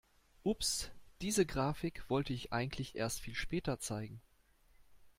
Ups, diese Grafik wollte ich eigentlich erst viel später zeigen.